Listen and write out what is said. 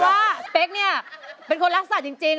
เพราะว่าเป๊กนี่เป็นคนรักษัตริย์จริง